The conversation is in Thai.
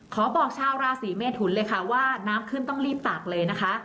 บอกชาวราศีเมทุนเลยค่ะว่าน้ำขึ้นต้องรีบตากเลยนะคะ